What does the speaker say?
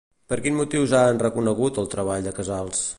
Per quins motius han reconegut el treball de Casals?